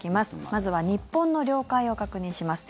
まずは日本の領海を確認します。